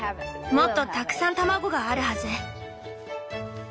もっとたくさん卵があるはず。